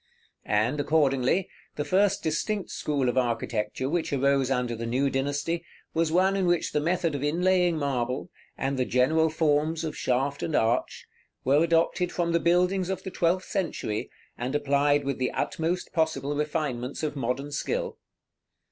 And, accordingly, the first distinct school of architecture which arose under the new dynasty, was one in which the method of inlaying marble, and the general forms of shaft and arch, were adopted from the buildings of the twelfth century, and applied with the utmost possible refinements of modern skill.